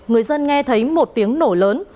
người dân nghe thấy một tiếng nổ lớn